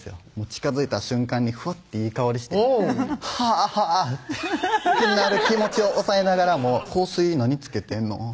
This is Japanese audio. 近づいた瞬間にふわっていい香りしてははぁってなる気持ちを抑えながらも「香水何つけてんの？」